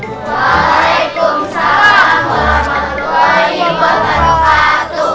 waalaikumsalam warahmatullahi wabarakatuh